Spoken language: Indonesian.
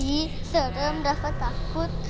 ih serem rafa takut